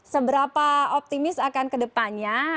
seberapa optimis akan kedepannya